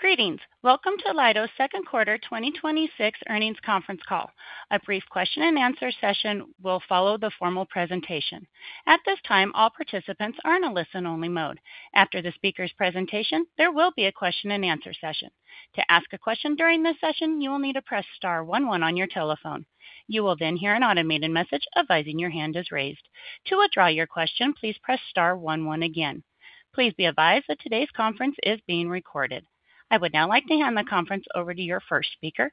Greetings. Welcome to Leidos' second quarter 2026 earnings conference call. A brief question and answer session will follow the formal presentation. At this time, all participants are in a listen-only mode. After the speaker's presentation, there will be a question and answer session. To ask a question during this session, you will need to press star one one on your telephone. You will then hear an automated message advising your hand is raised. To withdraw your question, please press star one one again. Please be advised that today's conference is being recorded. I would now like to hand the conference over to your first speaker,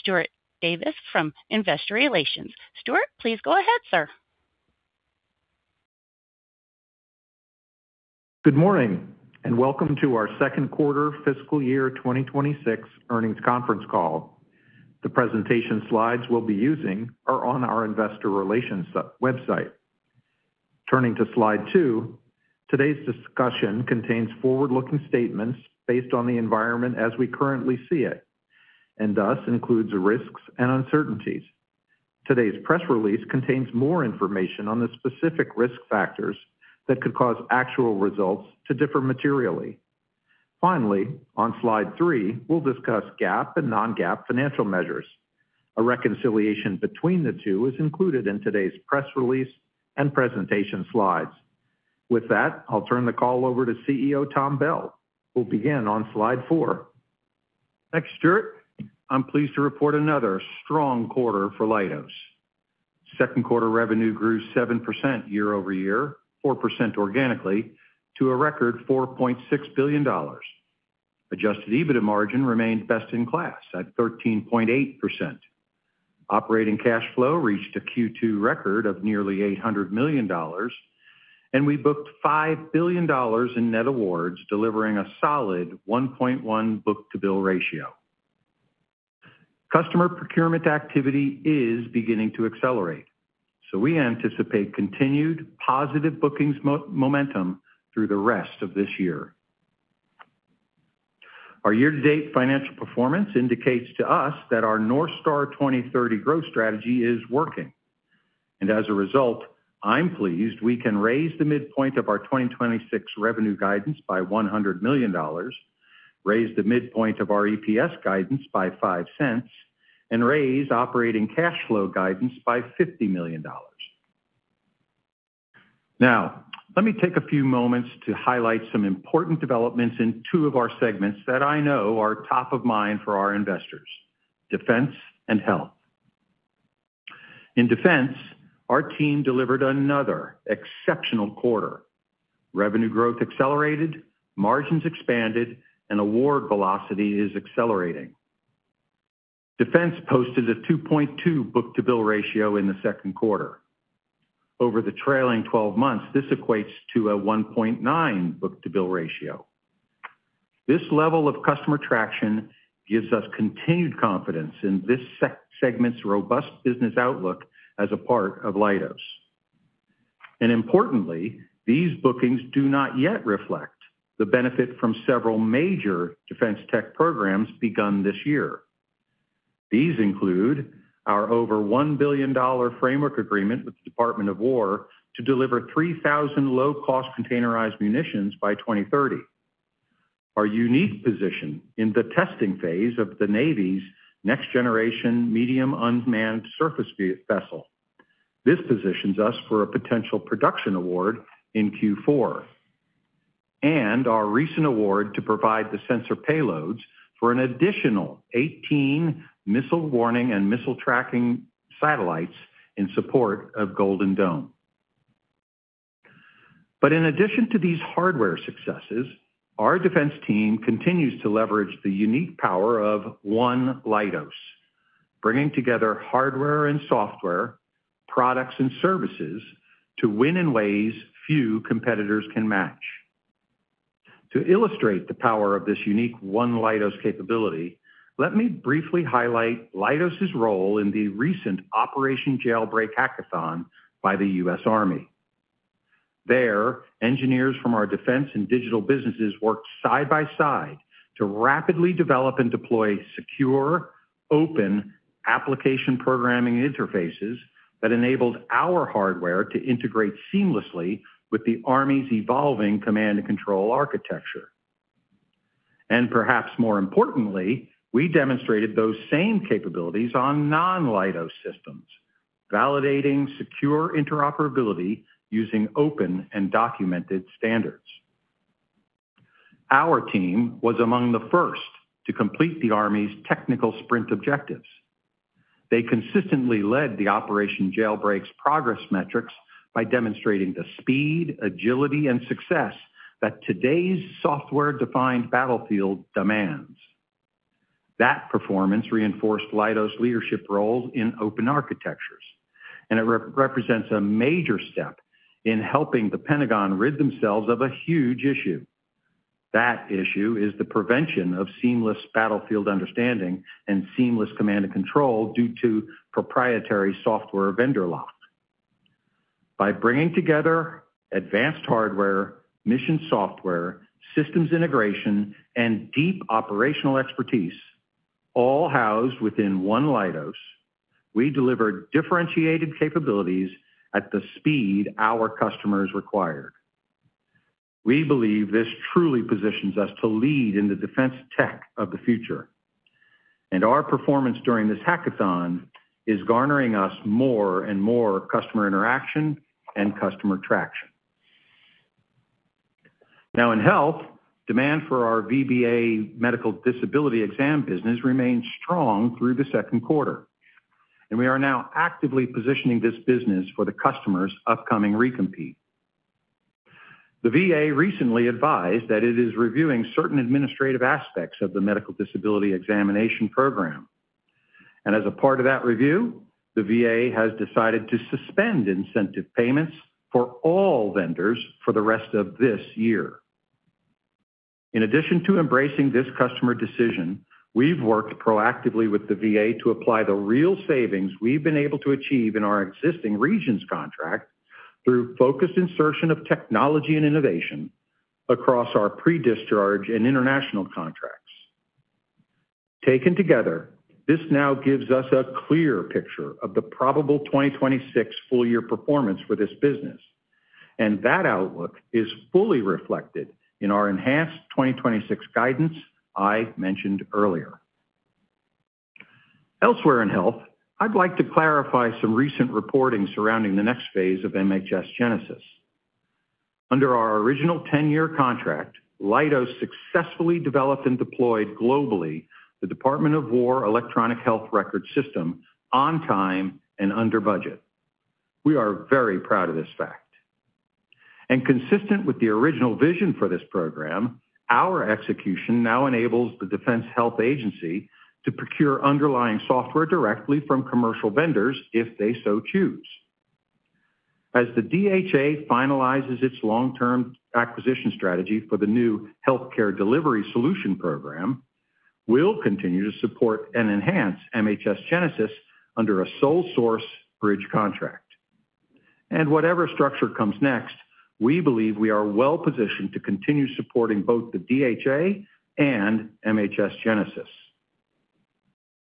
Stuart Davis from Investor Relations. Stuart, please go ahead, sir. Good morning. Welcome to our second quarter fiscal year 2026 earnings conference call. The presentation slides we'll be using are on our investor relations website. Turning to slide two, today's discussion contains forward-looking statements based on the environment as we currently see it and thus includes risks and uncertainties. Today's press release contains more information on the specific risk factors that could cause actual results to differ materially. Finally, on slide three, we'll discuss GAAP and non-GAAP financial measures. A reconciliation between the two is included in today's press release and presentation slides. With that, I'll turn the call over to CEO Tom Bell, who will begin on slide four. Thanks, Stuart. I'm pleased to report another strong quarter for Leidos. Second quarter revenue grew 7% year-over-year, 4% organically, to a record $4.6 billion. Adjusted EBITDA margin remained best in class at 13.8%. Operating cash flow reached a Q2 record of nearly $800 million. We booked $5 billion in net awards, delivering a solid 1.1 book-to-bill ratio. Customer procurement activity is beginning to accelerate, so we anticipate continued positive bookings momentum through the rest of this year. Our year-to-date financial performance indicates to us that our NorthStar 2030 growth strategy is working. As a result, I'm pleased we can raise the midpoint of our 2026 revenue guidance by $100 million, raise the midpoint of our EPS guidance by $0.05, and raise operating cash flow guidance by $50 million. Let me take a few moments to highlight some important developments in two of our segments that I know are top of mind for our investors, defense and health. In defense, our team delivered another exceptional quarter. Revenue growth accelerated, margins expanded, and award velocity is accelerating. Defense posted a 2.2 book-to-bill ratio in the second quarter. Over the trailing 12 months, this equates to a 1.9 book-to-bill ratio. This level of customer traction gives us continued confidence in this segment's robust business outlook as a part of Leidos. Importantly, these bookings do not yet reflect the benefit from several major defense tech programs begun this year. These include our over $1 billion framework agreement with the Department of Defense to deliver 3,000 Low-Cost Containerized Munitions by 2030. Our unique position in the testing phase of the Navy's next generation Medium Unmanned Surface Vessel. This positions us for a potential production award in Q4. Our recent award to provide the sensor payloads for an additional 18 missile warning and missile tracking satellites in support of Golden Dome. In addition to these hardware successes, our defense team continues to leverage the unique power of One Leidos, bringing together hardware and software, products and services to win in ways few competitors can match. To illustrate the power of this unique One Leidos capability, let me briefly highlight Leidos' role in the recent Operation Jailbreak Hackathon by the U.S. Army. There, engineers from our defense and digital businesses worked side by side to rapidly develop and deploy secure, open application programming interfaces that enabled our hardware to integrate seamlessly with the Army's evolving command and control architecture. Perhaps more importantly, we demonstrated those same capabilities on non-Leidos systems, validating secure interoperability using open and documented standards. Our team was among the first to complete the Army's technical sprint objectives. They consistently led the Operation Jailbreak's progress metrics by demonstrating the speed, agility, and success that today's software-defined battlefield demands. That performance reinforced Leidos' leadership role in open architectures, it represents a major step in helping the Pentagon rid themselves of a huge issue. That issue is the prevention of seamless battlefield understanding and seamless command and control due to proprietary software vendor lock. By bringing together advanced hardware, mission software, systems integration, and deep operational expertise. All housed within One Leidos, we deliver differentiated capabilities at the speed our customers require. We believe this truly positions us to lead in the defense tech of the future, our performance during this hackathon is garnering us more and more customer interaction and customer traction. Now in health, demand for our VBA medical disability exam business remained strong through the second quarter, we are now actively positioning this business for the customer's upcoming recompete. The VA recently advised that it is reviewing certain administrative aspects of the medical disability examination program. As a part of that review, the VA has decided to suspend incentive payments for all vendors for the rest of this year. In addition to embracing this customer decision, we've worked proactively with the VA to apply the real savings we've been able to achieve in our existing regions contract through focused insertion of technology and innovation across our pre-discharge and international contracts. Taken together, this now gives us a clear picture of the probable 2026 full-year performance for this business, that outlook is fully reflected in our enhanced 2026 guidance I mentioned earlier. Elsewhere in health, I'd like to clarify some recent reporting surrounding the next phase of MHS GENESIS. Under our original 10-year contract, Leidos successfully developed and deployed globally the Department of Defense Electronic Health Records system on time and under budget. We are very proud of this fact. Consistent with the original vision for this program, our execution now enables the Defense Health Agency to procure underlying software directly from commercial vendors if they so choose. As the DHA finalizes its long-term acquisition strategy for the new healthcare delivery solution program, we'll continue to support and enhance MHS GENESIS under a sole source bridge contract. Whatever structure comes next, we believe we are well-positioned to continue supporting both the DHA and MHS GENESIS.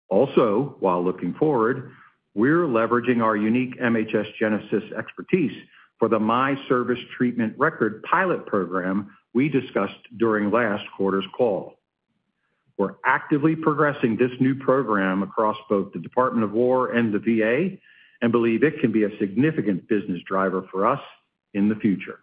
Also, while looking forward, we're leveraging our unique MHS GENESIS expertise for the My Service Treatment Record pilot program we discussed during last quarter's call. We're actively progressing this new program across both the Department of Defense and the VA and believe it can be a significant business driver for us in the future.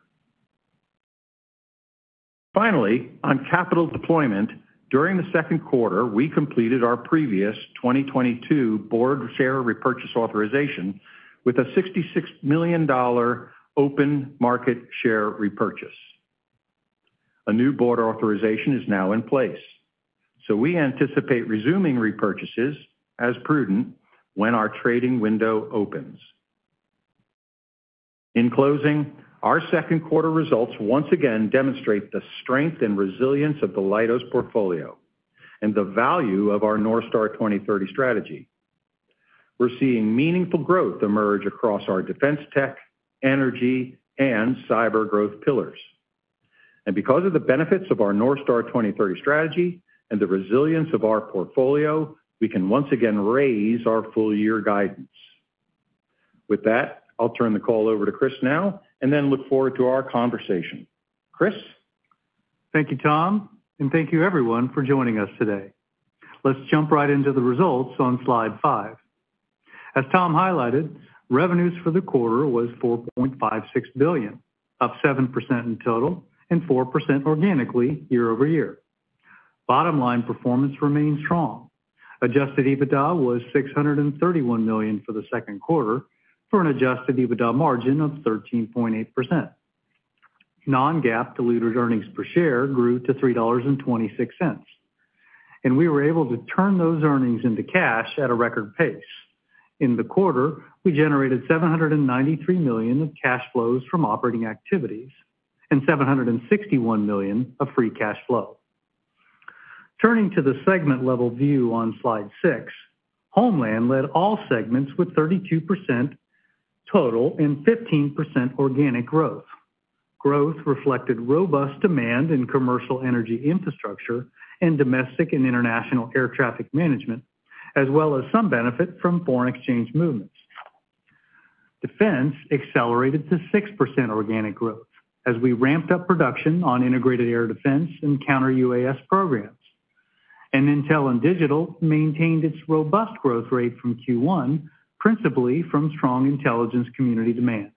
Finally, on capital deployment, during the second quarter, we completed our previous 2022 board share repurchase authorization with a $66 million open market share repurchase. A new board authorization is now in place. We anticipate resuming repurchases as prudent when our trading window opens. In closing, our second quarter results once again demonstrate the strength and resilience of the Leidos portfolio and the value of our NorthStar 2030 strategy. We're seeing meaningful growth emerge across our defense tech, energy, and cyber growth pillars. Because of the benefits of our NorthStar 2030 strategy and the resilience of our portfolio, we can once again raise our full-year guidance. With that, I'll turn the call over to Chris now and then look forward to our conversation. Chris? Thank you, Tom. Thank you everyone for joining us today. Let's jump right into the results on slide five. As Tom highlighted, revenues for the quarter was $4.56 billion, up 7% in total and 4% organically year-over-year. Bottom-line performance remained strong. Adjusted EBITDA was $631 million for the second quarter for an adjusted EBITDA margin of 13.8%. Non-GAAP diluted earnings per share grew to $3.26. We were able to turn those earnings into cash at a record pace. In the quarter, we generated $793 million of cash flows from operating activities and $761 million of free cash flow. Turning to the segment-level view on slide six, Homeland led all segments with 32% total and 15% organic growth. Growth reflected robust demand in commercial energy infrastructure and domestic and international air traffic management, as well as some benefit from foreign exchange movements. Defense accelerated to 6% organic growth as we ramped up production on integrated air defense and counter-UAS programs. Intel and Digital maintained its robust growth rate from Q1, principally from strong intelligence community demand.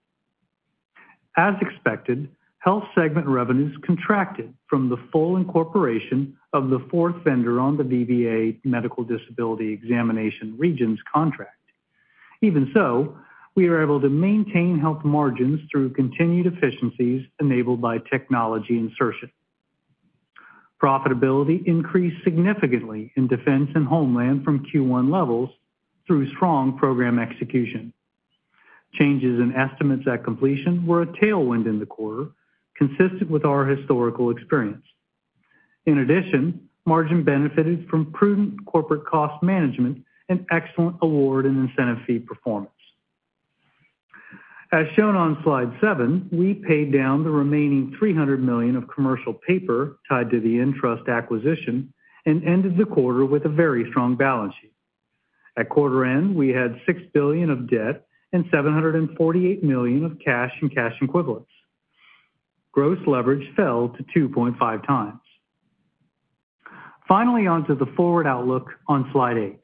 As expected, health segment revenues contracted from the full incorporation of the fourth vendor on the VBA Medical Disability Examination Regions contract. Even so, we were able to maintain health margins through continued efficiencies enabled by technology insertion. Profitability increased significantly in Defense and Homeland from Q1 levels through strong program execution. Changes in estimates at completion were a tailwind in the quarter, consistent with our historical experience. In addition, margin benefited from prudent corporate cost management and excellent award and incentive fee performance. As shown on slide seven, we paid down the remaining $300 million of commercial paper tied to the ENTRUST acquisition and ended the quarter with a very strong balance sheet. At quarter end, we had $6 billion of debt and $748 million of cash and cash equivalents. Gross leverage fell to 2.5x. Finally, onto the forward outlook on slide eight.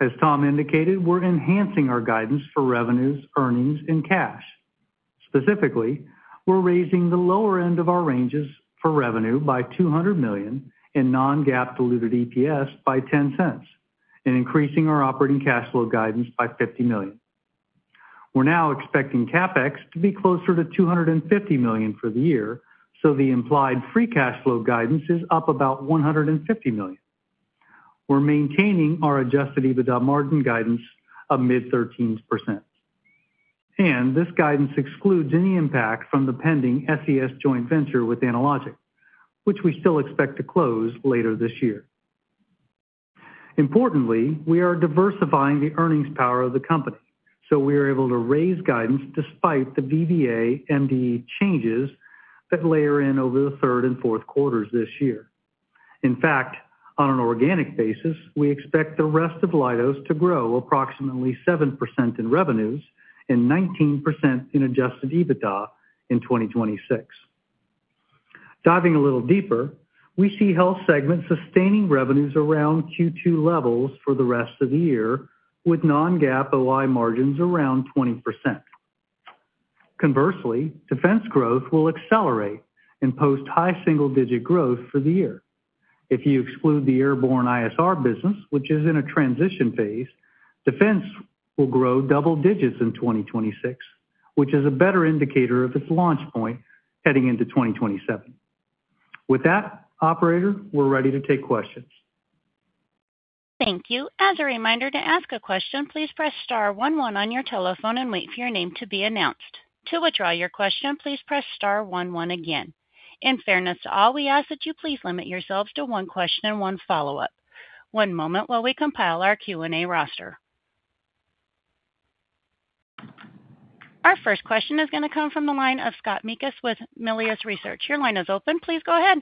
As Tom indicated, we're enhancing our guidance for revenues, earnings, and cash. Specifically, we're raising the lower end of our ranges for revenue by $200 million in non-GAAP diluted EPS by $0.10 and increasing our operating cash flow guidance by $50 million. We're now expecting CapEx to be closer to $250 million for the year, so the implied free cash flow guidance is up about $150 million. We're maintaining our adjusted EBITDA margin guidance of mid-13s%. This guidance excludes any impact from the pending SES joint venture with Analogic, which we still expect to close later this year. Importantly, we are diversifying the earnings power of the company, so we are able to raise guidance despite the VBA MDE changes that layer in over the third and fourth quarters this year. In fact, on an organic basis, we expect the rest of Leidos to grow approximately 7% in revenues and 19% in adjusted EBITDA in 2026. Diving a little deeper, we see health segment sustaining revenues around Q2 levels for the rest of the year with non-GAAP OI margins around 20%. Conversely, defense growth will accelerate and post high single-digit growth for the year. If you exclude the airborne ISR business, which is in a transition phase, defense will grow double digits in 2026, which is a better indicator of its launch point heading into 2027. With that, operator, we're ready to take questions. Thank you. As a reminder, to ask a question, please press star one one on your telephone and wait for your name to be announced. To withdraw your question, please press star one one again. In fairness to all, we ask that you please limit yourselves to one question and one follow-up. One moment while we compile our Q&A roster. Our first question is going to come from the line of Scott Mikus with Melius Research. Your line is open. Please go ahead.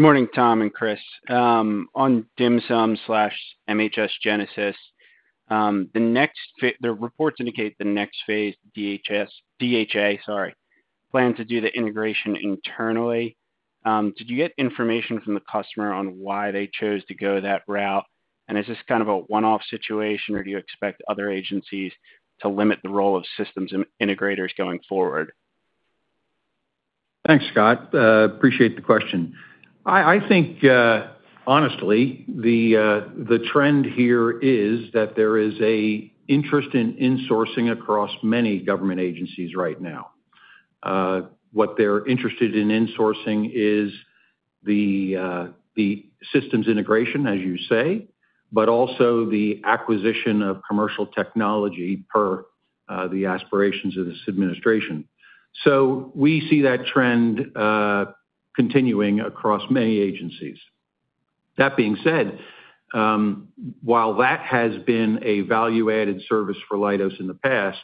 Morning, Tom and Chris. On DHMSM/MHS GENESIS, the reports indicate the next phase DHA, sorry, plans to do the integration internally. Did you get information from the customer on why they chose to go that route? Is this kind of a one-off situation, or do you expect other agencies to limit the role of systems integrators going forward? Thanks, Scott. Appreciate the question. I think, honestly, the trend here is that there is an interest in insourcing across many government agencies right now. What they're interested in insourcing is the systems integration, as you say, but also the acquisition of commercial technology per the aspirations of this administration. We see that trend continuing across many agencies. That being said, while that has been a value-added service for Leidos in the past,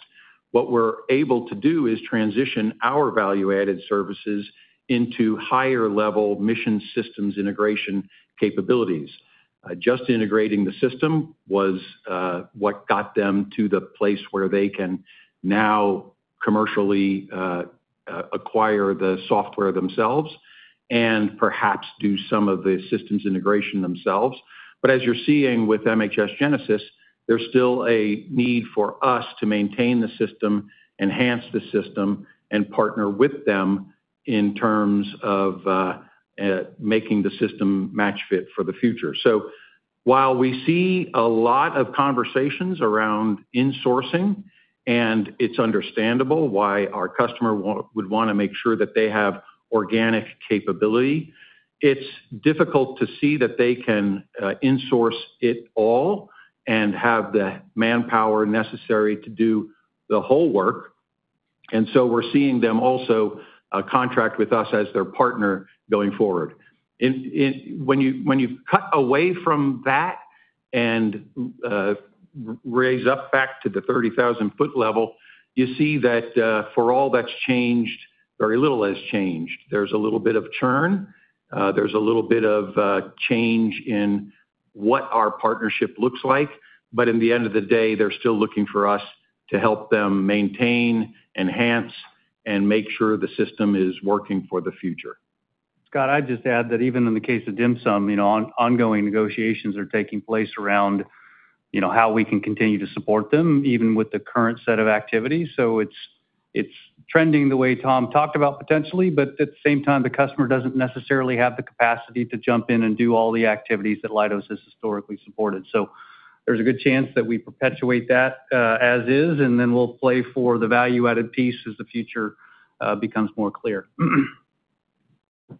what we're able to do is transition our value-added services into higher-level mission systems integration capabilities. Just integrating the system was what got them to the place where they can now commercially acquire the software themselves and perhaps do some of the systems integration themselves. As you're seeing with MHS GENESIS, there's still a need for us to maintain the system, enhance the system, and partner with them in terms of making the system match fit for the future. While we see a lot of conversations around insourcing, and it's understandable why our customer would want to make sure that they have organic capability, it's difficult to see that they can insource it all and have the manpower necessary to do the whole work. We're seeing them also contract with us as their partner going forward. When you cut away from that and raise up back to the 30,000-foot level, you see that for all that's changed, very little has changed. There's a little bit of churn. There's a little bit of change in what our partnership looks like. In the end of the day, they're still looking for us to help them maintain, enhance, and make sure the system is working for the future. Scott, I'd just add that even in the case of DHMSM, ongoing negotiations are taking place around how we can continue to support them, even with the current set of activities. It's trending the way Tom talked about potentially, but at the same time, the customer doesn't necessarily have the capacity to jump in and do all the activities that Leidos has historically supported. There's a good chance that we perpetuate that as is, and then we'll play for the value-added piece as the future becomes more clear.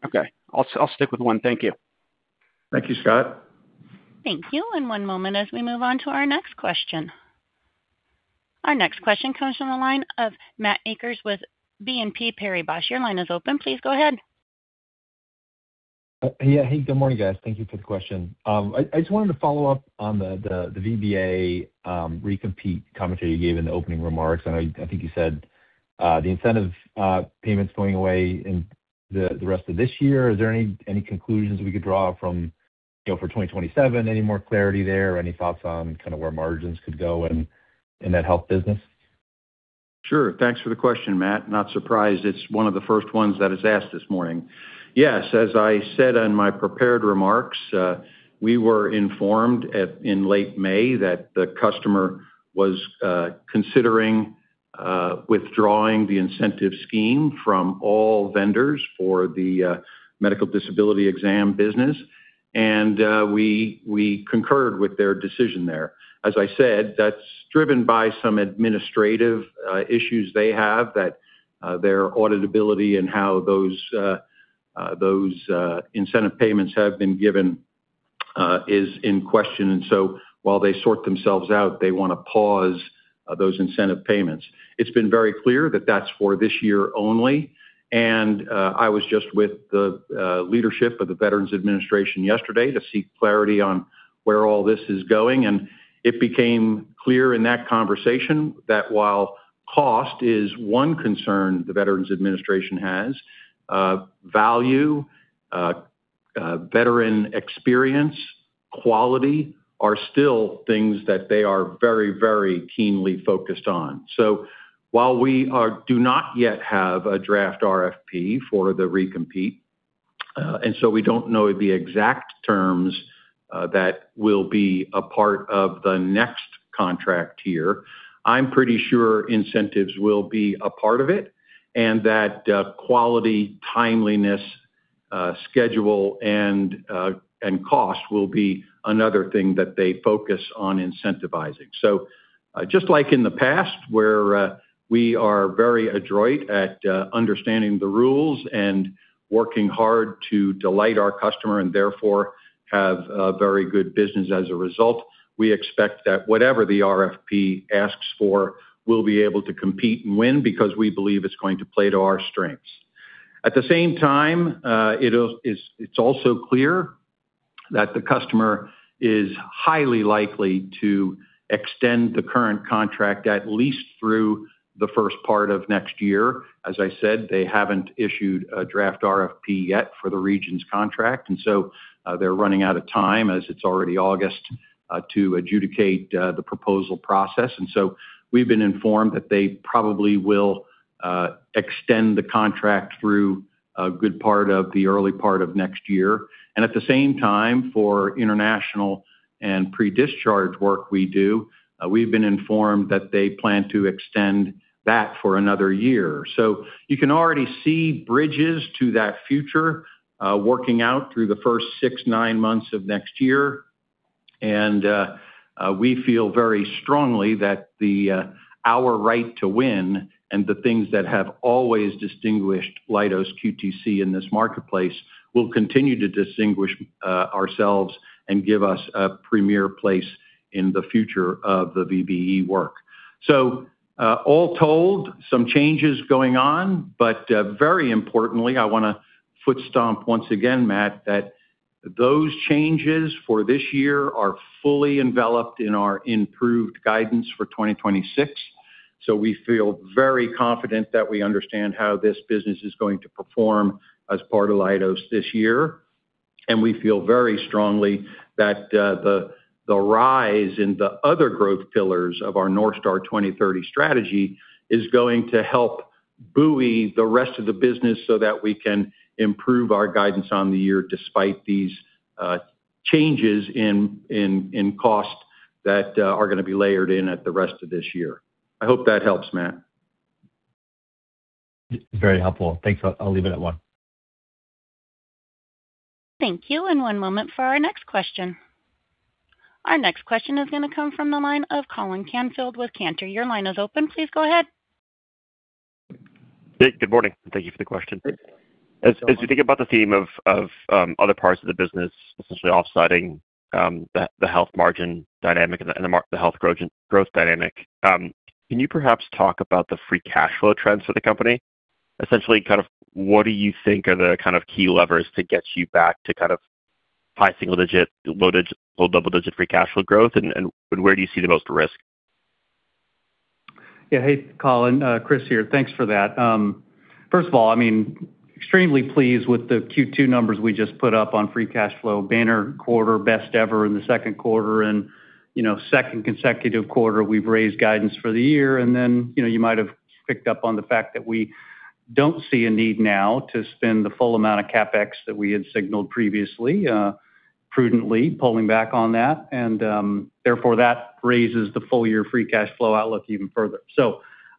Okay. I'll stick with one. Thank you. Thank you, Scott. Thank you. One moment as we move on to our next question. Our next question comes from the line of Matt Akers with BNP Paribas. Your line is open. Please go ahead. Yeah. Hey, good morning, guys. Thank you for the question. I just wanted to follow up on the VBA recompete commentary you gave in the opening remarks. I think you said the incentive payments going away in the rest of this year. Is there any conclusions we could draw from for 2027? Any more clarity there, or any thoughts on where margins could go in that health business? Sure. Thanks for the question, Matt. Not surprised, it's one of the first ones that is asked this morning. Yes, as I said in my prepared remarks, we were informed in late May that the customer was considering withdrawing the incentive scheme from all vendors for the medical disability exam business. We concurred with their decision there. As I said, that's driven by some administrative issues they have that their auditability and how those incentive payments have been given is in question. While they sort themselves out, they want to pause those incentive payments. It's been very clear that that's for this year only. I was just with the leadership of the Veterans Administration yesterday to seek clarity on where all this is going. It became clear in that conversation that while cost is one concern the Veterans Administration has, value, veteran experience, quality are still things that they are very, very keenly focused on. While we do not yet have a draft RFP for the recompete, and so we don't know the exact terms that will be a part of the next contract here, I'm pretty sure incentives will be a part of it, and that quality, timeliness, schedule, and cost will be another thing that they focus on incentivizing. Just like in the past, where we are very adroit at understanding the rules and working hard to delight our customer and therefore have a very good business as a result, we expect that whatever the RFP asks for, we'll be able to compete and win because we believe it's going to play to our strengths. At the same time, it's also clear that the customer is highly likely to extend the current contract at least through the first part of next year. As I said, they haven't issued a draft RFP yet for the regions contract, and so they're running out of time, as it's already August, to adjudicate the proposal process. We've been informed that they probably will extend the contract through a good part of the early part of next year. At the same time, for international and pre-discharge work we do, we've been informed that they plan to extend that for another year. You can already see bridges to that future working out through the first six, nine months of next year. We feel very strongly that our right to win and the things that have always distinguished Leidos QTC in this marketplace will continue to distinguish ourselves and give us a premier place in the future of the VBE work. All told, some changes going on, but very importantly, I want to foot stomp once again, Matt, that those changes for this year are fully enveloped in our improved guidance for 2026. We feel very confident that we understand how this business is going to perform as part of Leidos this year. We feel very strongly that the rise in the other growth pillars of our NorthStar 2030 strategy is going to help buoy the rest of the business so that we can improve our guidance on the year despite these changes in cost that are going to be layered in at the rest of this year. I hope that helps, Matt. Very helpful. Thanks. I'll leave it at one. Thank you. One moment for our next question. Our next question is going to come from the line of Colin Canfield with Cantor. Your line is open. Please go ahead. Hey, good morning. Thank you for the question. Good. As you think about the theme of other parts of the business, essentially offsiding the health margin dynamic and the health growth dynamic, can you perhaps talk about the free cash flow trends for the company? Essentially, what do you think are the key levers to get you back to high single-digit, low double-digit free cash flow growth, and where do you see the most risk? Yeah. Hey, Colin. Chris here. Thanks for that. First of all, extremely pleased with the Q2 numbers we just put up on free cash flow. Banner quarter, best ever in the second quarter, and second consecutive quarter we've raised guidance for the year. You might have picked up on the fact that we don't see a need now to spend the full amount of CapEx that we had signaled previously, prudently pulling back on that. That raises the full-year free cash flow outlook even further.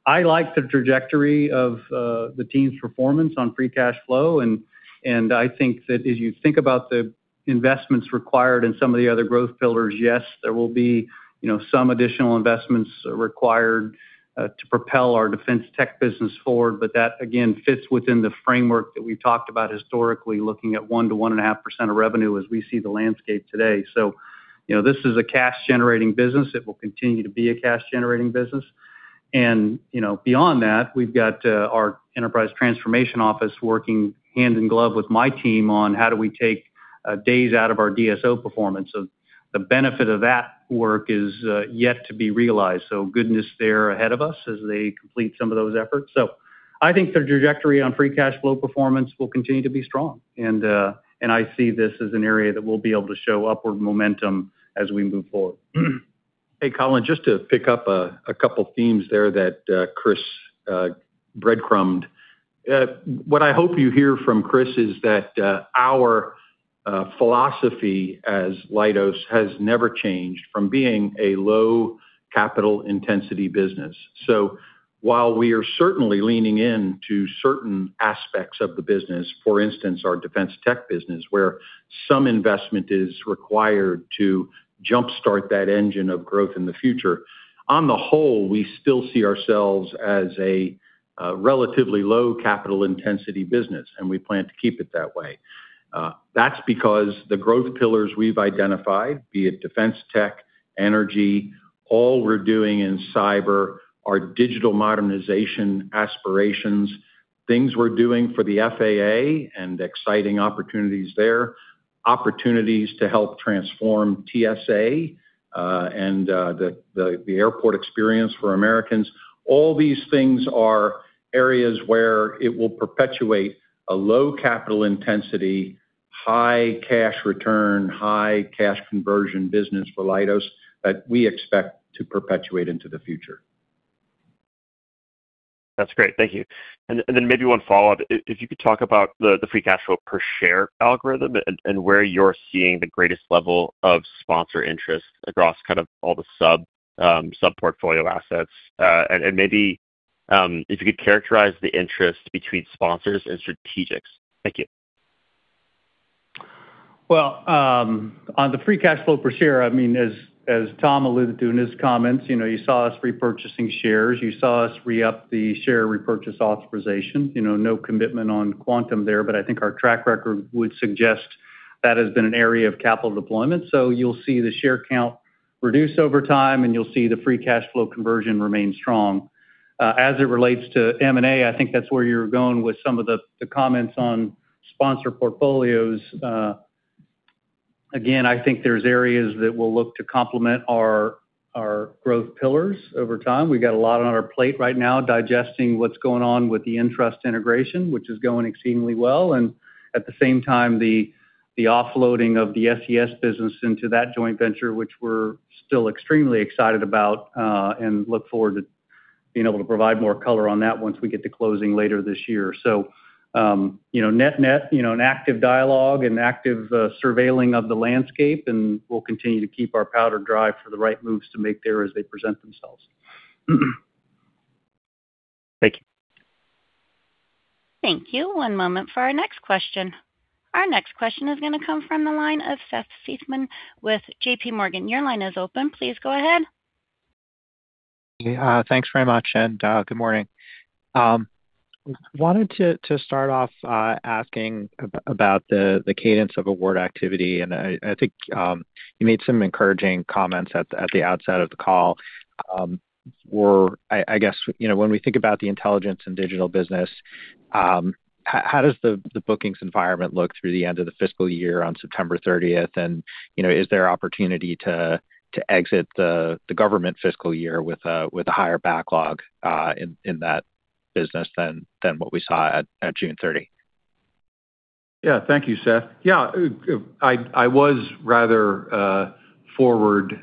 I like the trajectory of the team's performance on free cash flow. I think that as you think about the investments required in some of the other growth pillars, yes, there will be some additional investments required to propel our defense tech business forward. That again fits within the framework that we've talked about historically, looking at 1%-1.5% of revenue as we see the landscape today. This is a cash-generating business. It will continue to be a cash-generating business. Beyond that, we've got our enterprise transformation office working hand in glove with my team on how do we take days out of our DSO performance. The benefit of that work is yet to be realized. Goodness there ahead of us as they complete some of those efforts. I think their trajectory on free cash flow performance will continue to be strong. I see this as an area that we'll be able to show upward momentum as we move forward. Hey, Colin, just to pick up a couple themes there that Chris breadcrumbed. What I hope you hear from Chris is that our philosophy as Leidos has never changed from being a low capital intensity business. While we are certainly leaning into certain aspects of the business, for instance, our defense tech business where some investment is required to jumpstart that engine of growth in the future, on the whole, we still see ourselves as a relatively low capital intensity business, and we plan to keep it that way. That's because the growth pillars we've identified, be it defense tech, energy, all we're doing in cyber, our digital modernization aspirations, things we're doing for the FAA and exciting opportunities there, opportunities to help transform TSA, and the airport experience for Americans. All these things are areas where it will perpetuate a low capital intensity, high cash return, high cash conversion business for Leidos that we expect to perpetuate into the future. That's great. Thank you. Then maybe one follow-up. If you could talk about the free cash flow per share algorithm and where you're seeing the greatest level of sponsor interest across all the sub-portfolio assets. Maybe if you could characterize the interest between sponsors and strategics. Thank you. Well, on the free cash flow per share, as Tom alluded to in his comments, you saw us repurchasing shares. You saw us re-up the share repurchase authorization. No commitment on quantum there, but I think our track record would suggest that has been an area of capital deployment. You'll see the share count reduce over time, and you'll see the free cash flow conversion remain strong. As it relates to M&A, I think that's where you're going with some of the comments on sponsor portfolios. I think there's areas that will look to complement our growth pillars over time. We've got a lot on our plate right now digesting what's going on with the ENTRUST integration, which is going exceedingly well. At the same time, the offloading of the Security Enterprise Solutions business into that joint venture, which we're still extremely excited about, and look forward to being able to provide more color on that once we get to closing later this year. Net net, an active dialogue and active surveilling of the landscape, and we'll continue to keep our powder dry for the right moves to make there as they present themselves. Thank you. Thank you. One moment for our next question. Our next question is going to come from the line of Seth Seifman with JPMorgan. Your line is open. Please go ahead. Thanks very much, good morning. I wanted to start off asking about the cadence of award activity, and I think you made some encouraging comments at the outset of the call. When we think about the intelligence and digital business, how does the bookings environment look through the end of the fiscal year on September 30th? Is there opportunity to exit the government fiscal year with a higher backlog in that business than what we saw at June 30? Thank you, Seth. I was rather forward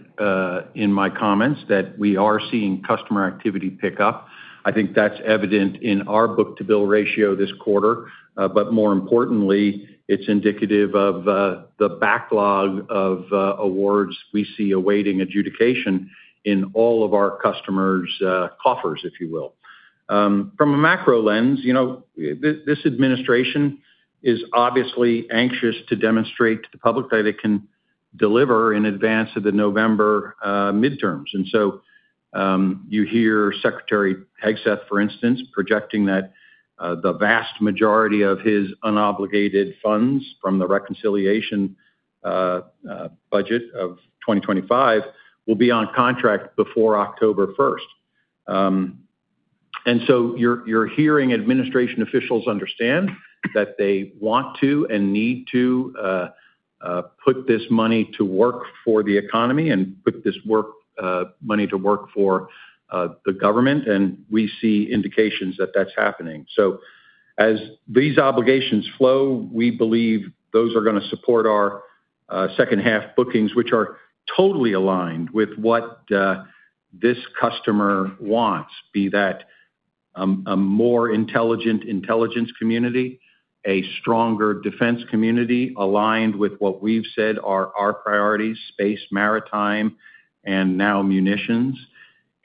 in my comments that we are seeing customer activity pick up. I think that's evident in our book-to-bill ratio this quarter. More importantly, it's indicative of the backlog of awards we see awaiting adjudication in all of our customers' coffers, if you will. From a macro lens, this administration is obviously anxious to demonstrate to the public that it can deliver in advance of the November midterms. You hear Secretary Pete, for instance, projecting that the vast majority of his unobligated funds from the reconciliation budget of 2025 will be on contract before October 1st. You're hearing administration officials understand that they want to and need to put this money to work for the economy and put this money to work for the government, and we see indications that that's happening. As these obligations flow, we believe those are going to support our second half bookings, which are totally aligned with what this customer wants, be that a more intelligent intelligence community, a stronger defense community aligned with what we've said are our priorities, space, maritime, and now munitions.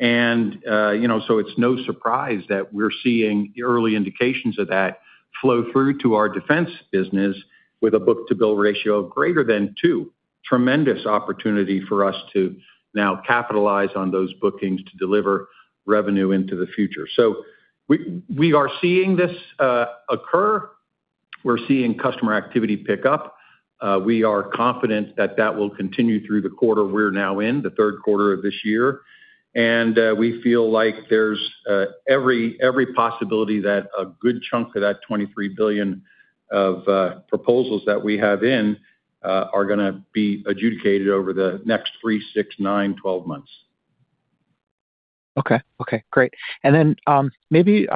It's no surprise that we're seeing early indications of that flow through to our defense business with a book-to-bill ratio of greater than two. Tremendous opportunity for us to now capitalize on those bookings to deliver revenue into the future. We are seeing this occur. We're seeing customer activity pick up. We are confident that that will continue through the quarter we're now in, the third quarter of this year. We feel like there's every possibility that a good chunk of that $23 billion of proposals that we have in are going to be adjudicated over the next three, six, nine, 12 months. Okay, great. Then, maybe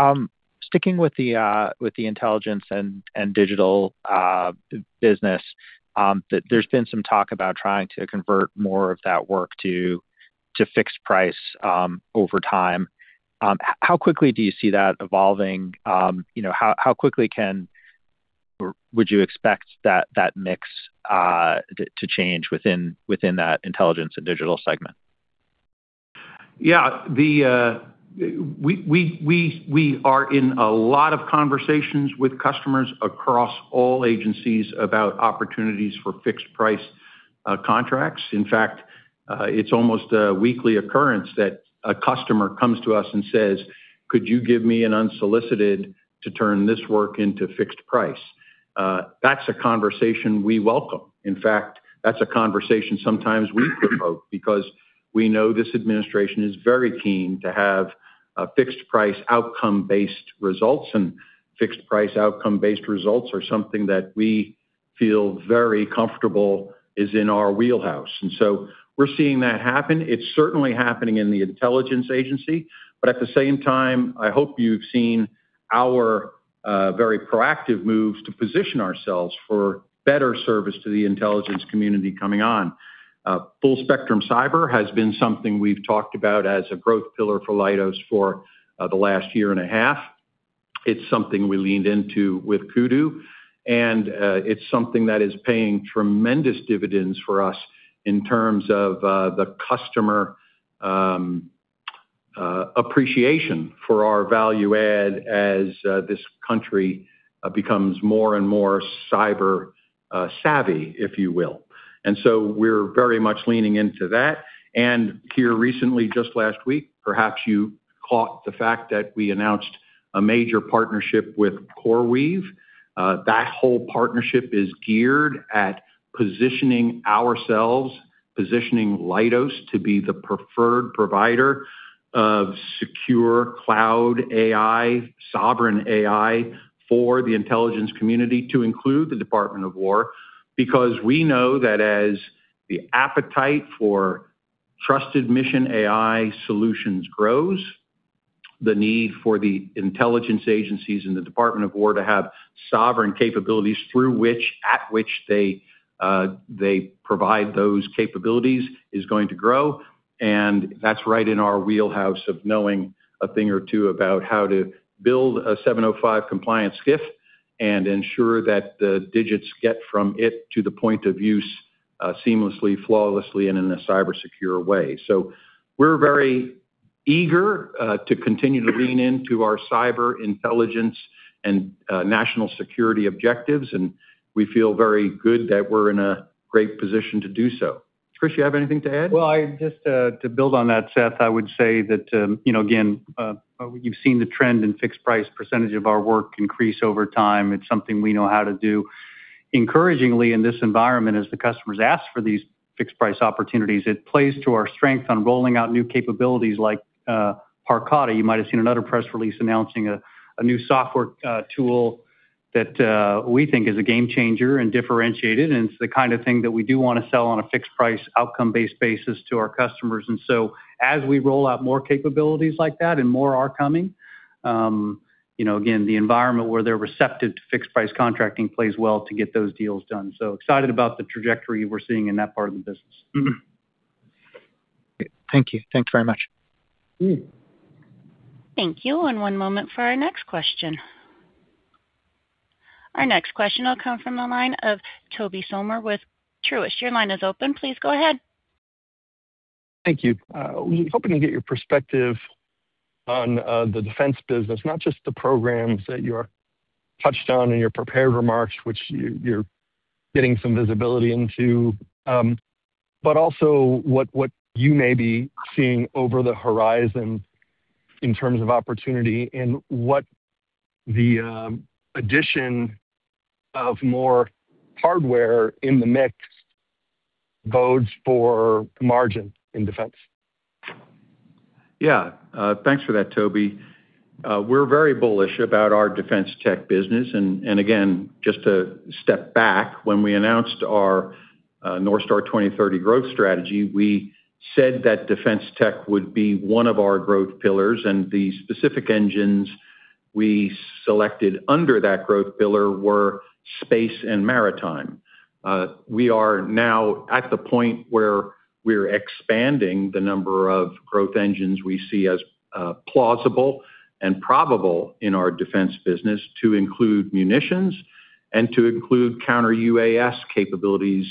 sticking with the intelligence and digital business, there's been some talk about trying to convert more of that work to fixed-price over time. How quickly do you see that evolving? How quickly would you expect that mix to change within that intelligence and digital segment? Yeah. We are in a lot of conversations with customers across all agencies about opportunities for fixed-price contracts. In fact, it's almost a weekly occurrence that a customer comes to us and says, "Could you give me an unsolicited to turn this work into fixed-price?" That's a conversation we welcome. In fact, that's a conversation sometimes we provoke because we know this administration is very keen to have fixed-price outcome-based results, and fixed-price outcome-based results are something that we feel very comfortable is in our wheelhouse. We're seeing that happen. It's certainly happening in the intelligence agency, but at the same time, I hope you've seen our very proactive moves to position ourselves for better service to the intelligence community coming on. Full-spectrum cyber has been something we've talked about as a growth pillar for Leidos for the last year and a half. It's something we leaned into with Kudu, and it's something that is paying tremendous dividends for us in terms of the customer appreciation for our value add as this country becomes more and more cyber savvy, if you will. We're very much leaning into that. Here recently, just last week, perhaps you caught the fact that we announced a major partnership with CoreWeave. That whole partnership is geared at positioning ourselves, positioning Leidos to be the preferred provider of secure cloud AI, sovereign AI for the intelligence community to include the Department of Defense, because we know that as the appetite for trusted mission AI solutions grows, the need for the intelligence agencies and the Department of Defense to have sovereign capabilities through which, at which they provide those capabilities is going to grow. That's right in our wheelhouse of knowing a thing or two about how to build a 705 compliance SCIF and ensure that the digits get from it to the point of use seamlessly, flawlessly, and in a cyber secure way. We're very eager to continue to lean into our cyber, intelligence, and national security objectives, and we feel very good that we're in a great position to do so. Chris, you have anything to add? Well, just to build on that, Seth, I would say that, again, you've seen the trend in fixed-price percentage of our work increase over time. It's something we know how to do. Encouragingly in this environment, as the customers ask for these fixed-price opportunities, it plays to our strength on rolling out new capabilities like Parcata. You might have seen another press release announcing a new software tool that we think is a game changer and differentiated, and it's the kind of thing that we do want to sell on a fixed-price outcome-based basis to our customers. As we roll out more capabilities like that, and more are coming, again, the environment where they're receptive to fixed-price contracting plays well to get those deals done. Excited about the trajectory we're seeing in that part of the business. Thank you. Thanks very much. Thank you. One moment for our next question. Our next question will come from the line of Tobey Sommer with Truist. Your line is open. Please go ahead. Thank you. Hoping to get your perspective on the defense business, not just the programs that you touched on in your prepared remarks, which you're getting some visibility into, but also what you may be seeing over the horizon in terms of opportunity and what the addition of more hardware in the mix bodes for margin in defense. Yeah. Thanks for that, Tobey. We're very bullish about our defense tech business, again, just to step back, when we announced our NorthStar 2030 growth strategy, we said that defense tech would be one of our growth pillars, the specific engines we selected under that growth pillar were space and maritime. We are now at the point where we're expanding the number of growth engines we see as plausible and probable in our defense business to include munitions and to include counter-UAS capabilities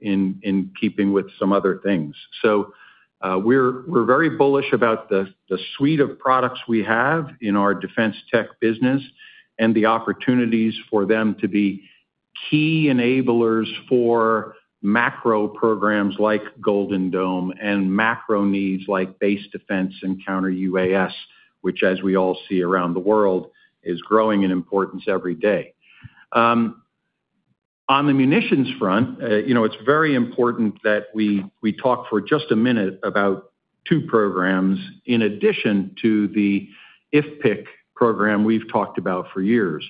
in keeping with some other things. We're very bullish about the suite of products we have in our defense tech business and the opportunities for them to be key enablers for macro programs like Golden Dome and macro needs like base defense and counter-UAS, which as we all see around the world, is growing in importance every day. On the munitions front, it's very important that we talk for just a minute about two programs in addition to the IFPC program we've talked about for years.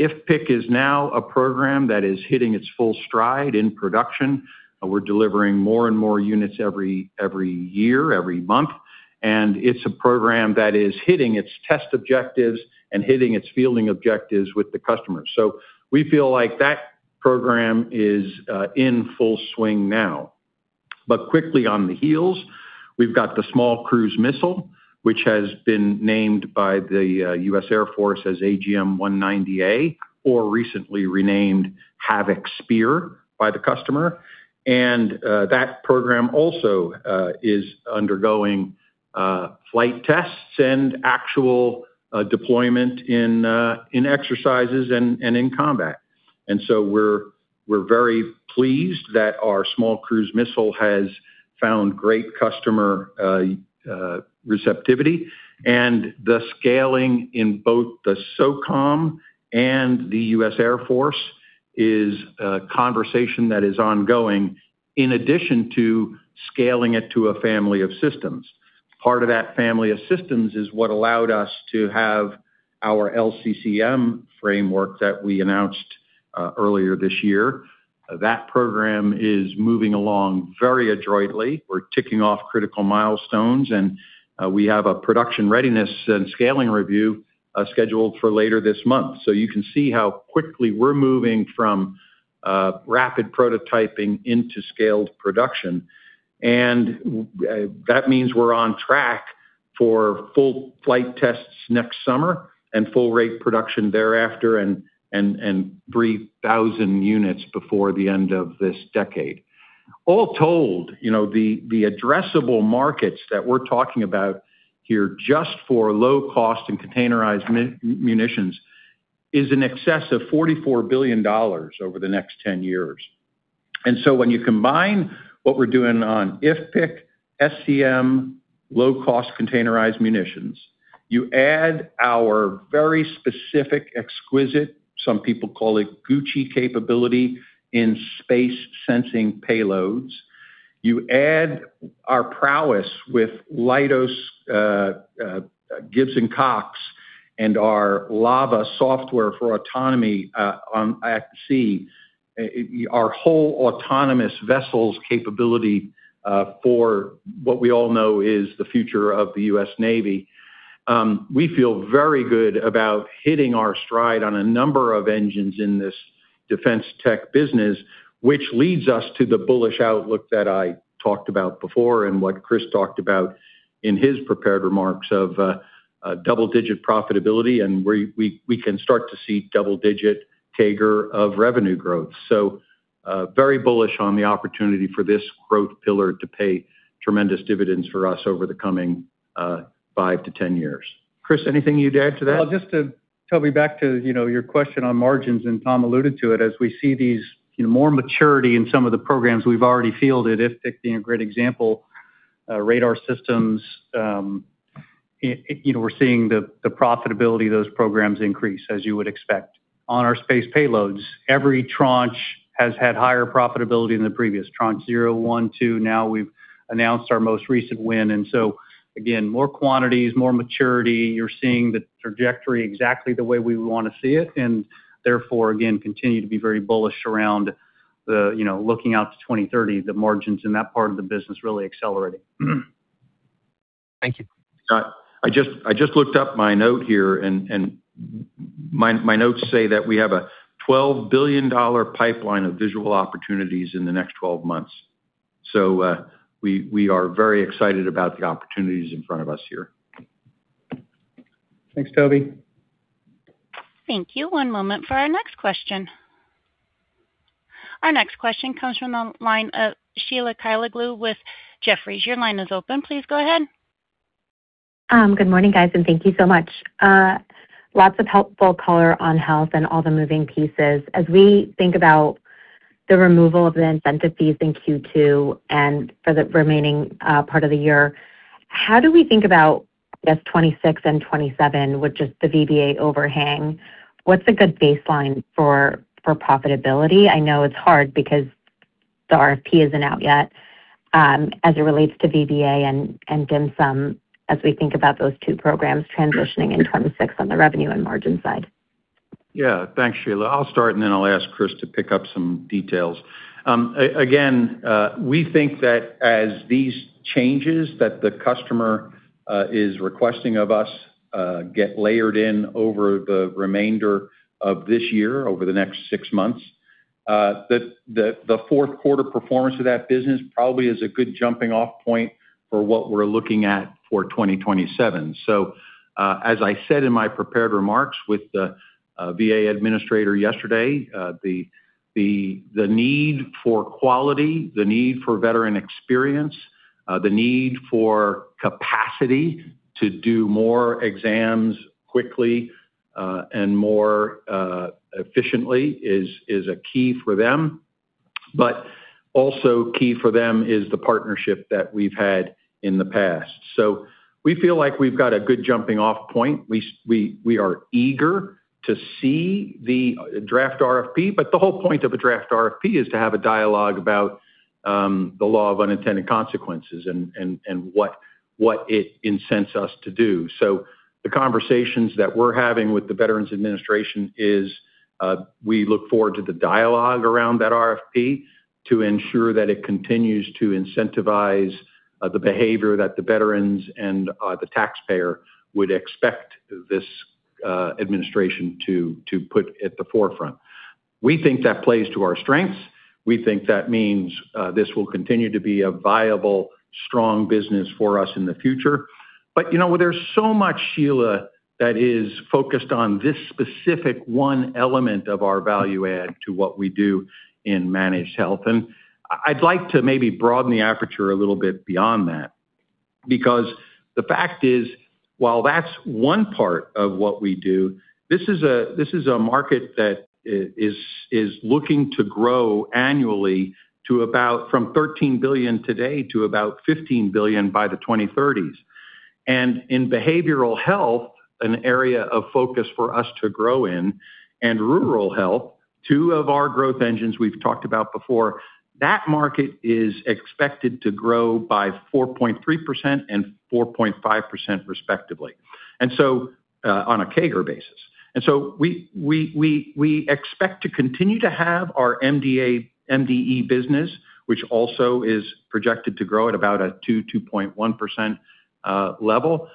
IFPC is now a program that is hitting its full stride in production. We're delivering more and more units every year, every month, and it's a program that is hitting its test objectives and hitting its fielding objectives with the customers. We feel like that program is in full swing now. Quickly on the heels, we've got the small cruise missile, which has been named by the U.S. Air Force as AGM-190A, or recently renamed Havoc Spear by the customer. That program also is undergoing flight tests and actual deployment in exercises and in combat. We're very pleased that our small cruise missile has found great customer receptivity and the scaling in both the SOCOM and the U.S. Air Force is a conversation that is ongoing, in addition to scaling it to a family of systems. Part of that family of systems is what allowed us to have our LCCM framework that we announced earlier this year. That program is moving along very adroitly. We're ticking off critical milestones, and we have a production readiness and scaling review scheduled for later this month. You can see how quickly we're moving from rapid prototyping into scaled production. That means we're on track for full flight tests next summer and full rate production thereafter and 3,000 units before the end of this decade. All told, the addressable markets that we're talking about here, just for low cost and containerized munitions, is in excess of $44 billion over the next 10 years. When you combine what we're doing on IFPC, SCM, low-cost containerized munitions, you add our very specific, exquisite, some people call it Gucci capability in space sensing payloads. You add our prowess with Leidos, Gibbs & Cox, and our LAVA software for autonomy at sea, our whole autonomous vessels capability for what we all know is the future of the U.S. Navy. We feel very good about hitting our stride on a number of engines in this defense tech business, which leads us to the bullish outlook that I talked about before and what Chris talked about in his prepared remarks of double-digit profitability, and we can start to see double-digit CAGR of revenue growth. Very bullish on the opportunity for this growth pillar to pay tremendous dividends for us over the coming 5-10 years. Chris, anything you'd add to that? Tobey, back to your question on margins, and Tom alluded to it. As we see these more maturity in some of the programs we've already fielded, IFPC being a great example, radar systems, we're seeing the profitability of those programs increase as you would expect. On our space payloads, every tranche has had higher profitability than the previous tranche, zero, one, two. Now we've announced our most recent win, and so again, more quantities, more maturity. You're seeing the trajectory exactly the way we want to see it, and therefore, again, continue to be very bullish around looking out to 2030, the margins in that part of the business really accelerating. Thank you. I just looked up my note here, and my notes say that we have a $12 billion pipeline of visual opportunities in the next 12 months. We are very excited about the opportunities in front of us here. Thanks, Tobey. Thank you. One moment for our next question. Our next question comes from the line of Sheila Kahyaoglu with Jefferies. Your line is open. Please go ahead. Good morning, guys, and thank you so much. Lots of helpful color on health and all the moving pieces. As we think about the removal of the incentive fees in Q2 and for the remaining part of the year, how do we think about, I guess, 2026 and 2027 with just the VBA overhang? What's a good baseline for profitability? I know it's hard because the RFP isn't out yet as it relates to VBA and DHMSM as we think about those two programs transitioning in 2026 on the revenue and margin side. Yeah. Thanks, Sheila. I'll start and then I'll ask Chris to pick up some details. We think that as these changes that the customer is requesting of us get layered in over the remainder of this year, over the next six months, that the fourth quarter performance of that business probably is a good jumping off point for what we're looking at for 2027. As I said in my prepared remarks with the VA administrator yesterday, the need for quality, the need for veteran experience, the need for capacity to do more exams quickly and more efficiently is a key for them. Also key for them is the partnership that we've had in the past. We feel like we've got a good jumping-off point. We are eager to see the draft RFP, the whole point of a draft RFP is to have a dialogue about the law of unintended consequences and what it incents us to do. The conversations that we're having with the Veterans Administration is, we look forward to the dialogue around that RFP to ensure that it continues to incentivize the behavior that the veterans and the taxpayer would expect this administration to put at the forefront. We think that plays to our strengths. We think that means this will continue to be a viable, strong business for us in the future. There's so much, Sheila, that is focused on this specific one element of our value add to what we do in managed health. I'd like to maybe broaden the aperture a little bit beyond that. The fact is, while that's one part of what we do, this is a market that is looking to grow annually from $13 billion today to about $15 billion by the 2030s. In behavioral health, an area of focus for us to grow in, and rural health, two of our growth engines we've talked about before, that market is expected to grow by 4.3% and 4.5% respectively on a CAGR basis. We expect to continue to have our MDE business, which also is projected to grow at about a 2%-2.1% level.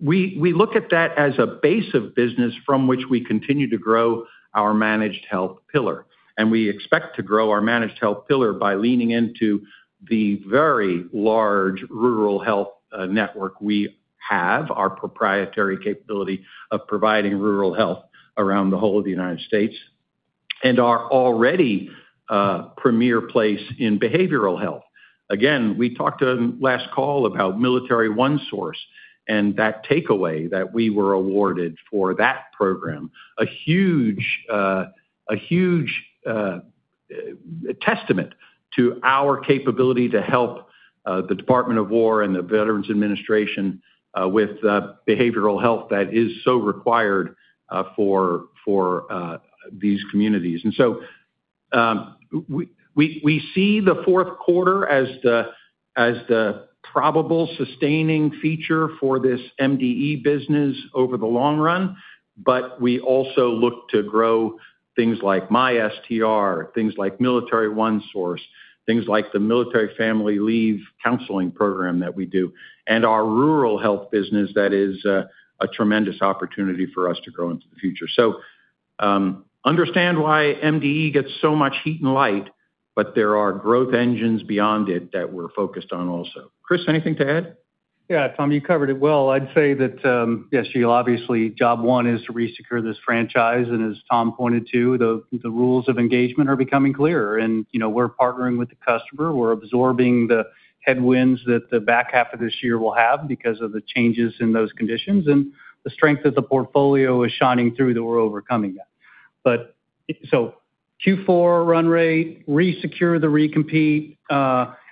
We look at that as a base of business from which we continue to grow our managed health pillar. We expect to grow our managed health pillar by leaning into the very large rural health network we have, our proprietary capability of providing rural health around the whole of the U.S., and our already premier place in behavioral health. Again, we talked last call about Military OneSource and that takeaway that we were awarded for that program. A huge testament to our capability to help the Department of Defense and the Veterans Administration with behavioral health that is so required for these communities. We see the fourth quarter as the probable sustaining feature for this MDE business over the long run. We also look to grow things like MySTR, things like Military OneSource, things like the Military and Family Life Counseling program that we do, and our rural health business that is a tremendous opportunity for us to grow into the future. Understand why MDE gets so much heat and light, there are growth engines beyond it that we're focused on also. Chris, anything to add? Yeah, Tom, you covered it well. I'd say that, yes, Sheila, obviously job one is to resecure this franchise, and as Tom pointed to, the rules of engagement are becoming clearer. We're partnering with the customer, we're absorbing the headwinds that the back half of this year will have because of the changes in those conditions. The strength of the portfolio is shining through, that we're overcoming that. Q4 run rate, resecure the recompete,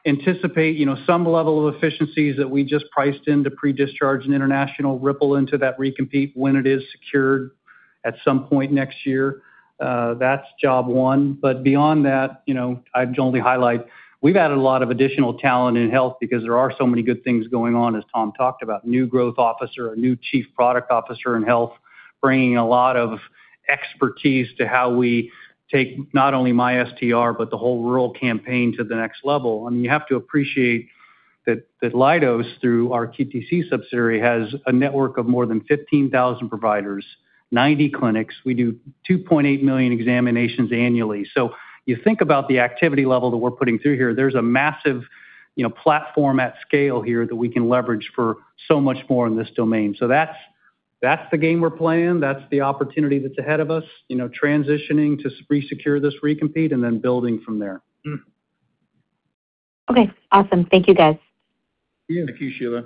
anticipate some level of efficiencies that we just priced into pre-discharge and international ripple into that recompete when it is secured at some point next year. That's job one. Beyond that, I'd only highlight, we've added a lot of additional talent in health because there are so many good things going on as Tom talked about. New growth officer, a new chief product officer in health, bringing a lot of expertise to how we take not only MySTR, but the whole rural campaign to the next level. You have to appreciate that Leidos, through our QTC subsidiary, has a network of more than 15,000 providers, 90 clinics. We do 2.8 million examinations annually. You think about the activity level that we're putting through here, there's a massive platform at scale here that we can leverage for so much more in this domain. That's the game we're playing. That's the opportunity that's ahead of us, transitioning to resecure this recompete and then building from there. Okay, awesome. Thank you, guys. Yeah. Thank you, Sheila.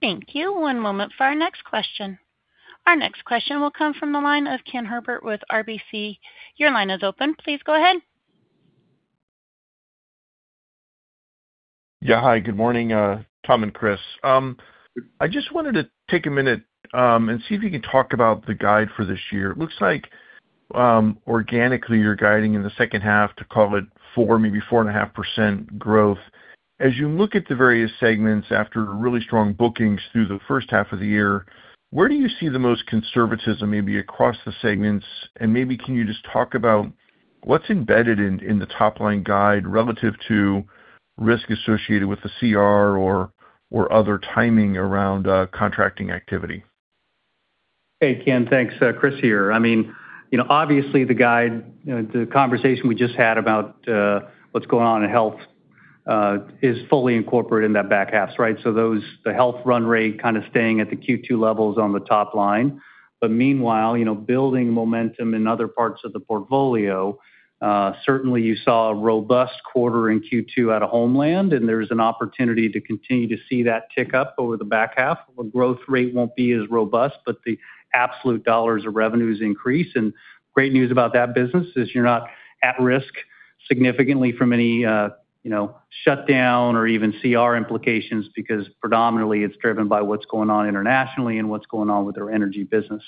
Thank you. One moment for our next question. Our next question will come from the line of Ken Herbert with RBC. Your line is open. Please go ahead. Hi, good morning, Tom and Chris. I just wanted to take a minute and see if you could talk about the guide for this year. It looks like organically you're guiding in the second half to call it 4%, maybe 4.5% growth. As you look at the various segments after really strong bookings through the first half of the year, where do you see the most conservatism, maybe across the segments, and maybe can you just talk about what's embedded in the top-line guide relative to risk associated with the CR or other timing around contracting activity? Hey, Ken, thanks. Chris here. Obviously the guide, the conversation we just had about what's going on in health, is fully incorporated in that back half, right? The health run rate kind of staying at the Q2 levels on the top line. Meanwhile, building momentum in other parts of the portfolio. Certainly you saw a robust quarter in Q2 out of Homeland, and there's an opportunity to continue to see that tick up over the back half. The growth rate won't be as robust, but the absolute dollars of revenues increase. Great news about that business is you're not at risk significantly from any shutdown or even CR implications, because predominantly it's driven by what's going on internationally and what's going on with our energy business.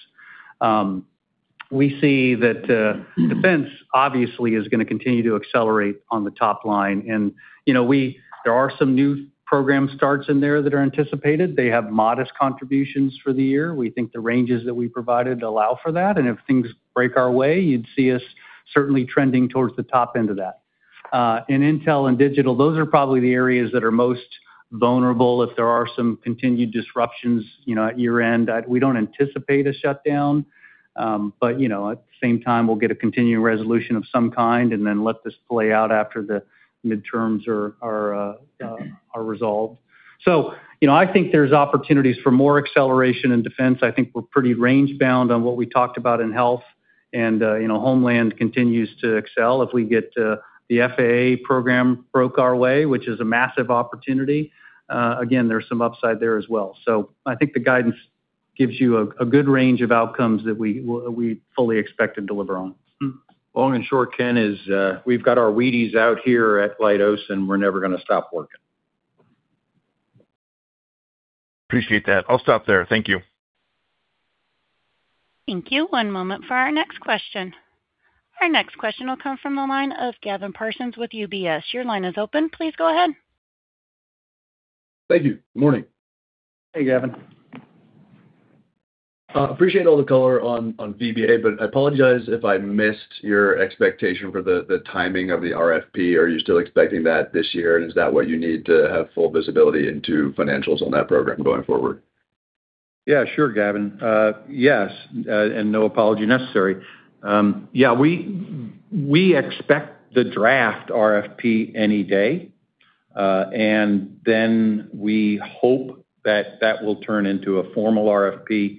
We see that Defense obviously is going to continue to accelerate on the top line. There are some new program starts in there that are anticipated. They have modest contributions for the year. We think the ranges that we provided allow for that, and if things break our way, you'd see us certainly trending towards the top end of that. In Intel and Digital, those are probably the areas that are most vulnerable if there are some continued disruptions at year-end. We don't anticipate a shutdown. At the same time, we'll get a continuing resolution of some kind and then let this play out after the midterms are resolved. I think there's opportunities for more acceleration in Defense. I think we're pretty range-bound on what we talked about in health, and Homeland continues to excel. If we get the FAA program broke our way, which is a massive opportunity, again, there's some upside there as well. I think the guidance gives you a good range of outcomes that we fully expect to deliver on. Long and short, Ken, is we've got our Wheaties out here at Leidos, and we're never going to stop working. Appreciate that. I'll stop there. Thank you. Thank you. One moment for our next question. Our next question will come from the line of Gavin Parsons with UBS. Your line is open. Please go ahead. Thank you. Good morning. Hey, Gavin. Appreciate all the color on VBA. I apologize if I missed your expectation for the timing of the RFP. Are you still expecting that this year, and is that what you need to have full visibility into financials on that program going forward? Yeah, sure, Gavin. Yes, no apology necessary. We expect the draft RFP any day. Then we hope that that will turn into a formal RFP,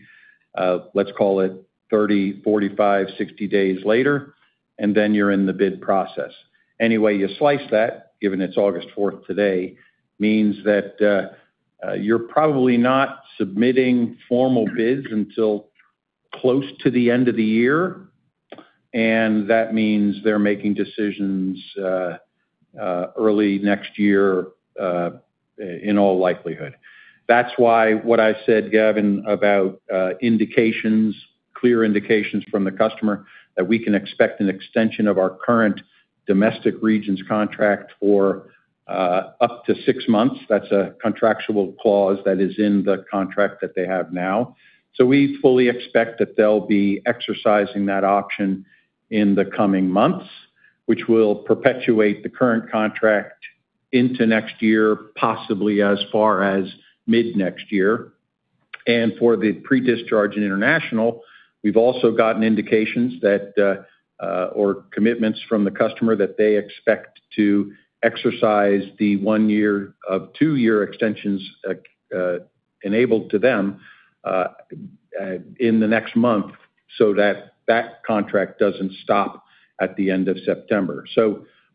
let's call it 30, 45, 60 days later, and then you're in the bid process. Any way you slice that, given it's August 4th today, means that you're probably not submitting formal bids until close to the end of the year, and that means they're making decisions early next year in all likelihood. That's why what I said, Gavin, about clear indications from the customer that we can expect an extension of our current domestic regions contract for up to six months. That's a contractual clause that is in the contract that they have now. We fully expect that they'll be exercising that option in the coming months, which will perpetuate the current contract into next year, possibly as far as mid-next year. For the pre-discharge and international, we've also gotten indications or commitments from the customer that they expect to exercise the one year of two-year extensions enabled to them in the next month so that that contract doesn't stop at the end of September.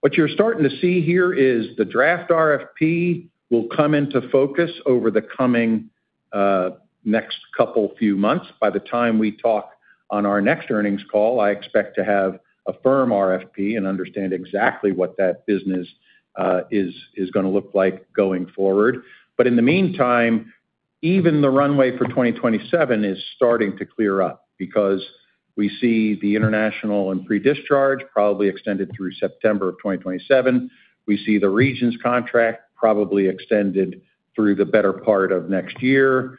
What you're starting to see here is the draft RFP will come into focus over the coming next couple few months. By the time we talk on our next earnings call, I expect to have a firm RFP and understand exactly what that business is going to look like going forward. In the meantime, even the runway for 2027 is starting to clear up because we see the international and pre-discharge probably extended through September of 2027. We see the regions contract probably extended through the better part of next year.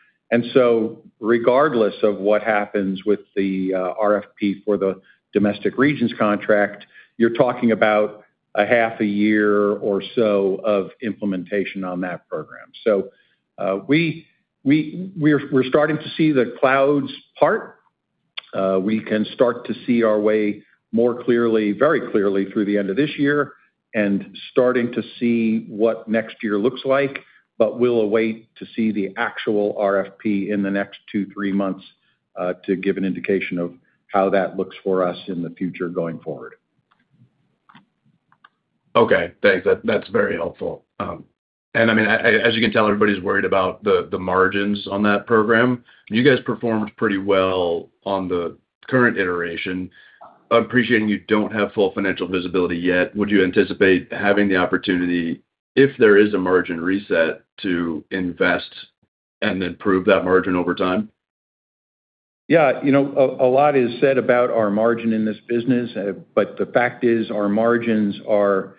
Regardless of what happens with the RFP for the domestic regions contract, you're talking about a half a year or so of implementation on that program. We're starting to see the clouds part. We can start to see our way very clearly through the end of this year and starting to see what next year looks like. We'll await to see the actual RFP in the next two, three months to give an indication of how that looks for us in the future going forward. Okay. Thanks. That's very helpful. As you can tell, everybody's worried about the margins on that program. You guys performed pretty well on the current iteration. Appreciating you don't have full financial visibility yet, would you anticipate having the opportunity, if there is a margin reset, to invest and then prove that margin over time? Yeah. A lot is said about our margin in this business. The fact is our margins are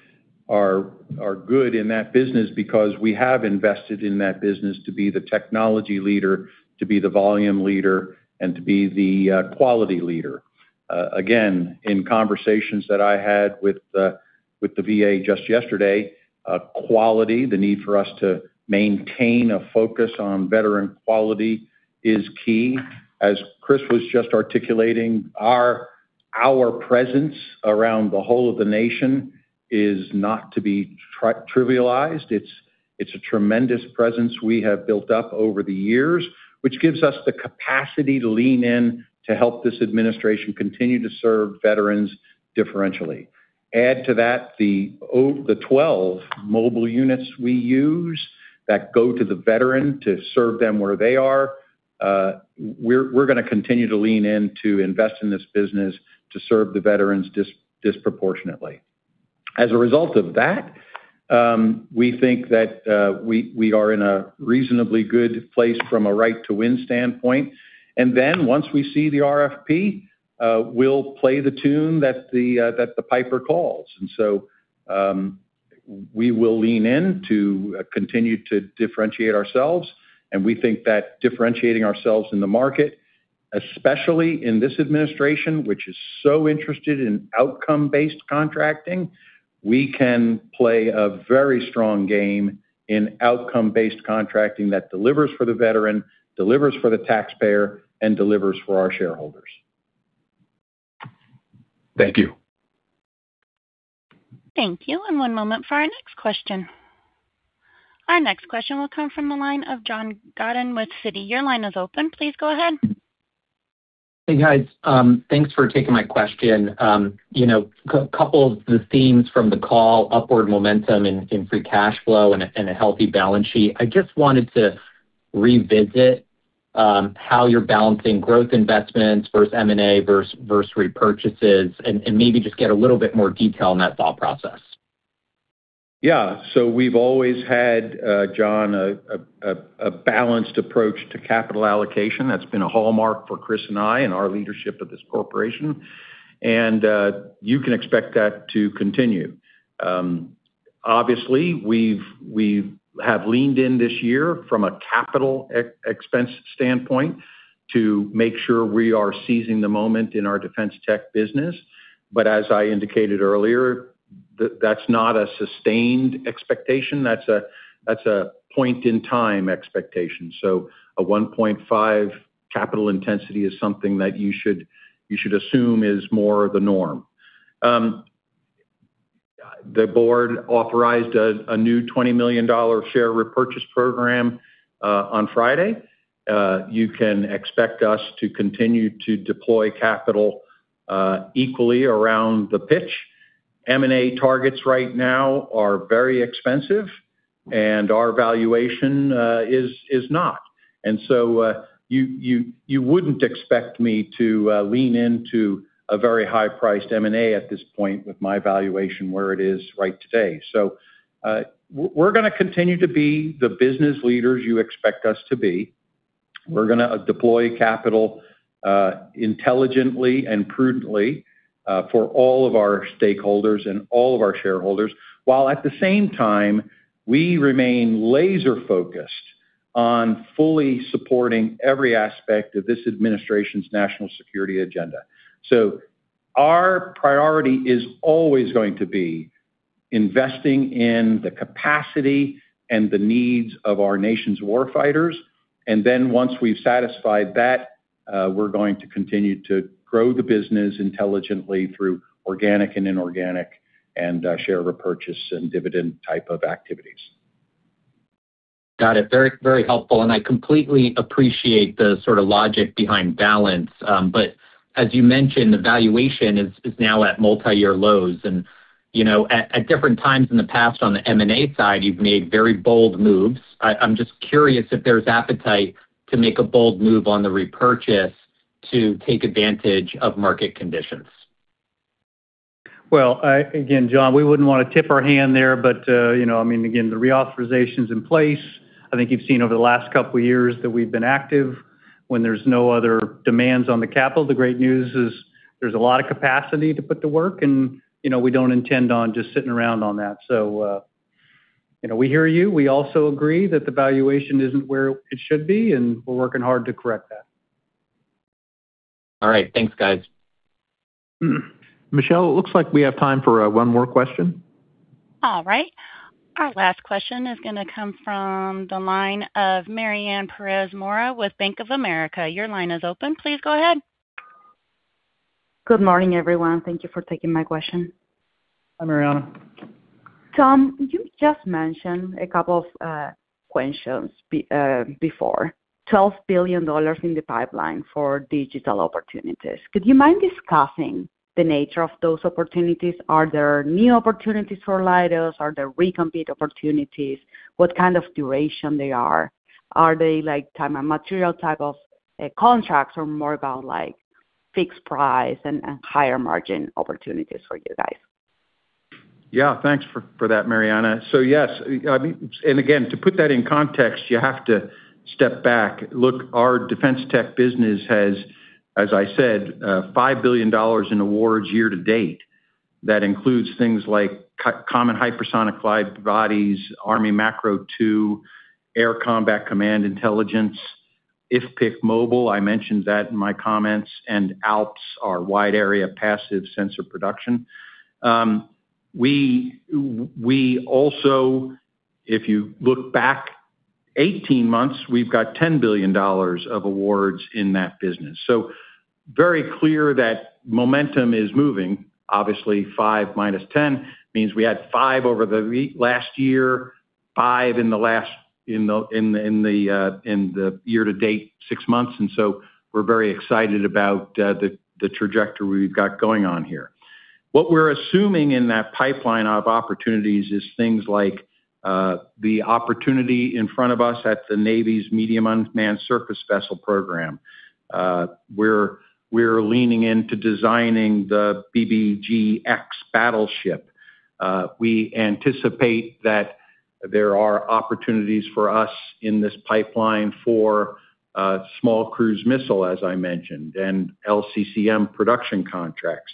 good in that business because we have invested in that business to be the technology leader, to be the volume leader, and to be the quality leader. Again, in conversations that I had with the VA just yesterday, quality, the need for us to maintain a focus on veteran quality is key. As Chris was just articulating, our presence around the whole of the nation is not to be trivialized. It's a tremendous presence we have built up over the years, which gives us the capacity to lean in to help this administration continue to serve veterans differentially. Add to that the 12 mobile units we use that go to the veteran to serve them where they are. We're going to continue to lean in to invest in this business to serve the veterans disproportionately. As a result of that, we think that we are in a reasonably good place from a right-to-win standpoint. Once we see the RFP, we'll play the tune that the piper calls. We will lean in to continue to differentiate ourselves, and we think that differentiating ourselves in the market, especially in this administration, which is so interested in outcome-based contracting, we can play a very strong game in outcome-based contracting that delivers for the veteran, delivers for the taxpayer, and delivers for our shareholders. Thank you. Thank you. One moment for our next question. Our next question will come from the line of John Godyn with Citi. Your line is open. Please go ahead. Hey, guys. Thanks for taking my question. Couple of the themes from the call, upward momentum in free cash flow and a healthy balance sheet. I just wanted to revisit how you're balancing growth investments versus M&A versus repurchases, and maybe just get a little bit more detail on that thought process. Yeah. We've always had, John, a balanced approach to capital allocation. That's been a hallmark for Chris and I in our leadership of this corporation. You can expect that to continue. Obviously, we have leaned in this year from a capital expense standpoint to make sure we are seizing the moment in our defense tech business. As I indicated earlier, that's not a sustained expectation. That's a point-in-time expectation. A 1.5 capital intensity is something that you should assume is more of the norm. The board authorized a new $20 million share repurchase program on Friday. You can expect us to continue to deploy capital equally around the pitch. M&A targets right now are very expensive, and our valuation is not. You wouldn't expect me to lean into a very high-priced M&A at this point with my valuation where it is right today. We're going to continue to be the business leaders you expect us to be. We're going to deploy capital intelligently and prudently, for all of our stakeholders and all of our shareholders, while at the same time, we remain laser-focused on fully supporting every aspect of this administration's national security agenda. Our priority is always going to be investing in the capacity and the needs of our nation's war fighters. Once we've satisfied that, we're going to continue to grow the business intelligently through organic and inorganic and share repurchase and dividend type of activities. Got it. Very helpful, and I completely appreciate the logic behind balance. As you mentioned, the valuation is now at multi-year lows and, at different times in the past on the M&A side, you've made very bold moves. I'm just curious if there's appetite to make a bold move on the repurchase to take advantage of market conditions. Well, again, John, we wouldn't want to tip our hand there, but again, the reauthorization's in place. I think you've seen over the last couple of years that we've been active when there's no other demands on the capital. The great news is there's a lot of capacity to put to work, and we don't intend on just sitting around on that. We hear you. We also agree that the valuation isn't where it should be, and we're working hard to correct that. All right. Thanks, guys. Michelle, it looks like we have time for one more question. All right. Our last question is going to come from the line of Mariana Pérez Mora with Bank of America. Your line is open. Please go ahead. Good morning, everyone. Thank you for taking my question. Hi, Mariana. Tom, you just mentioned a couple of questions before, $12 billion in the pipeline for digital opportunities. Could you mind discussing the nature of those opportunities? Are there new opportunities for Leidos? Are there recompete opportunities? What kind of duration they are? Are they time and material type of contracts or more about fixed price and higher margin opportunities for you guys? Yes. Thanks for that, Mariana. Yes. Again, to put that in context, you have to step back. Look, our defense tech business has, as I said, $5 billion in awards year-to-date. That includes things like Common Hypersonic Glide Bodies, Army Macro II, Air Combat Command Intelligence, IFF PICP Mobile, I mentioned that in my comments, and ALPS, our Wide Area Passive Sensor production. We also, if you look back 18 months, we've got $10 billion of awards in that business. Very clear that momentum is moving. Obviously, 5-10 means we had five over the last year, five in the year to date, six months. We're very excited about the trajectory we've got going on here. What we're assuming in that pipeline of opportunities is things like the opportunity in front of us at the Navy's Medium Unmanned Surface Vessel program, where we're leaning into designing the DDG(X) battleship. We anticipate that there are opportunities for us in this pipeline for Small Cruise Missile, as I mentioned, and LCCM production contracts.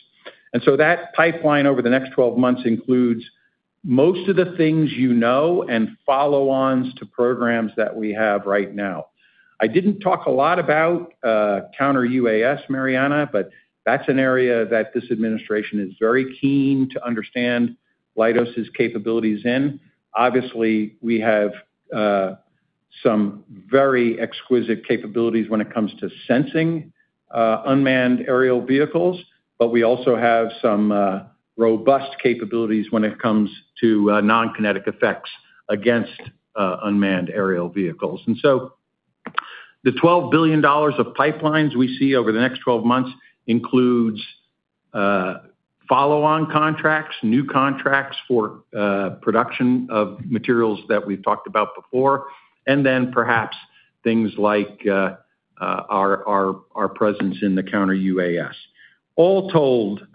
That pipeline over the next 12 months includes most of the things you know and follow-ons to programs that we have right now. I didn't talk a lot about counter-UAS, Mariana, but that's an area that this administration is very keen to understand Leidos' capabilities in. Obviously, we have some very exquisite capabilities when it comes to sensing unmanned aerial vehicles, but we also have some robust capabilities when it comes to non-kinetic effects against unmanned aerial vehicles. The $12 billion of pipelines we see over the next 12 months includes follow-on contracts, new contracts for production of materials that we've talked about before, and then perhaps things like our presence in the counter-UAS. All told,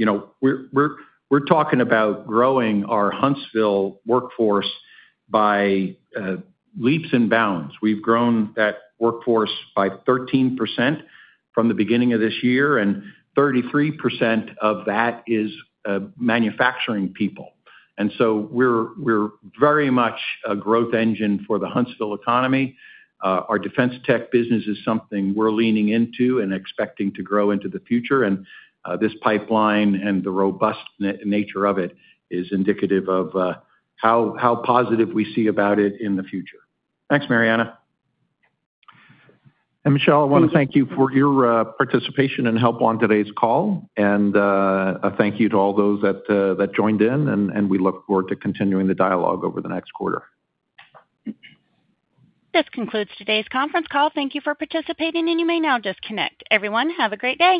we're talking about growing our Huntsville workforce by leaps and bounds. We've grown that workforce by 13% from the beginning of this year, and 33% of that is manufacturing people. We're very much a growth engine for the Huntsville economy. Our defense tech business is something we're leaning into and expecting to grow into the future. This pipeline and the robust nature of it is indicative of how positive we see about it in the future. Thanks, Mariana. Michelle, I want to thank you for your participation and help on today's call. A thank you to all those that joined in. We look forward to continuing the dialogue over the next quarter. This concludes today's conference call. Thank you for participating, and you may now disconnect. Everyone, have a great day.